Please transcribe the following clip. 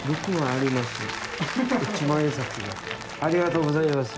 ありがとうございます。